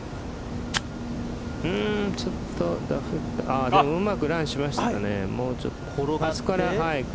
ちょっとダフったでもうまくランしましたね。